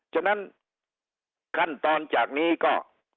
ฉะนั้นขั้นตอนจากนี้ก็